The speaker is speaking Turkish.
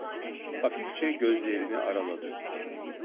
Hafifçe gözlerini araladı.